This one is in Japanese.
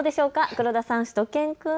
黒田さん、しゅと犬くん。